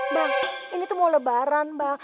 bang ini tuh mau lebaran bang